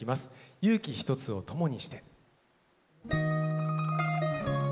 「勇気一つを友にして」。